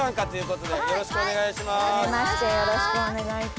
よろしくお願いします。